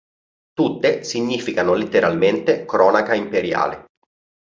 Tutte significano letteralmente "Cronaca imperiale".